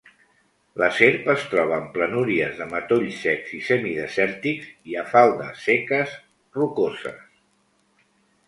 La serp es troba en planúries de matolls secs i semidesèrtics i a faldes seques rocoses.